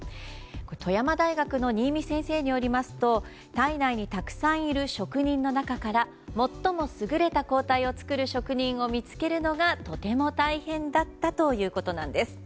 富山大学の仁井見先生によりますと体内にたくさんいる職人の中から最も優れた抗体を作る職人を見つけるのがとても大変だったということなんです。